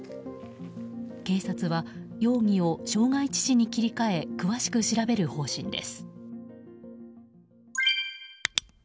警察は容疑を傷害致死に切り替え詳しく調べる方針です。